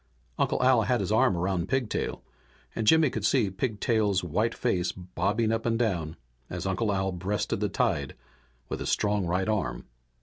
Uncle Al had his arm around Pigtail, and Jimmy could see Pigtail's white face bobbing up and down as Uncle Al breasted the tide with his strong right arm.